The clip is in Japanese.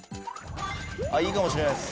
いいかもしれないです。